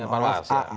oh di panwas ya